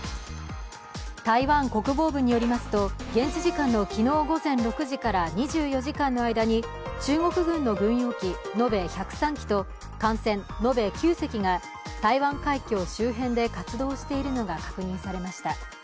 台湾国防部によりますと現地時間の昨日午前６時から２４時間の間に中国軍の軍用機延べ１０３機と艦船延べ９隻が台湾海峡周辺で活動しているのが確認されました。